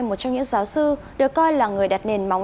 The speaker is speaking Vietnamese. một trong những giáo sư được coi là người đặt nền móng